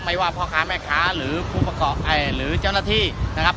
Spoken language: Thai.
ว่าพ่อค้าแม่ค้าหรือผู้ประกอบหรือเจ้าหน้าที่นะครับ